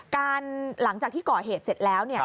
หลังจากที่ก่อเหตุเสร็จแล้ว